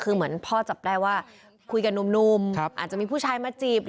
คือเหมือนพ่อจับได้ว่าคุยกับหนุ่มอาจจะมีผู้ชายมาจีบ